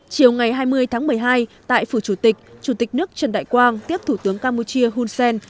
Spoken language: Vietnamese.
chiều ngày hai mươi tháng một mươi hai tại phủ chủ tịch chủ tịch nước trần đại quang tiếp thủ tướng campuchia hun sen